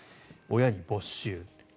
親に没収。